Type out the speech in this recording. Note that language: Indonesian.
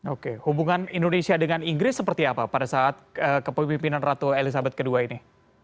oke hubungan indonesia dengan inggris seperti apa pada saat kepemimpinan ratu elizabeth ii ini